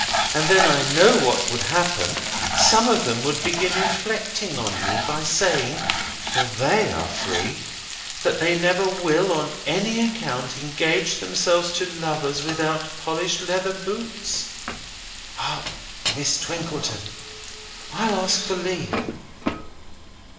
And then I know what would happen. Some of them would begin reflecting on me by saying (for they are free) that they never will on any account engage themselves to lovers without polished leather boots. Hark! Miss Twinkleton. I'll ask for leave."